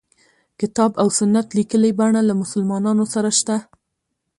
کتاب او سنت لیکلي بڼه له مسلمانانو سره شته.